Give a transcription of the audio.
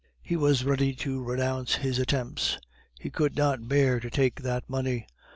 He was ready to renounce his attempts; he could not bear to take that money.